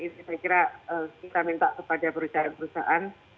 saya kira kita minta kepada perusahaan perusahaan